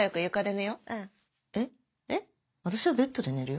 私はベッドで寝るよ。